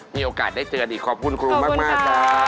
มีโอกาสได้เจอดีขอบคุณครูมากครับ